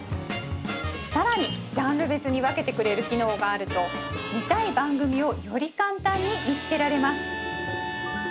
更にジャンル別に分けてくれる機能があると見たい番組をより簡単に見つけられます